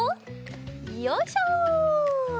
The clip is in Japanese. よいしょ！